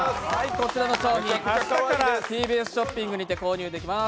こちらの商品は明日からＴＢＳショッピングにて購入できます。